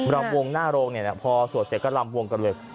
รำวงหน้าโรงพอสวดเสร็จก็ลำวงกันเลย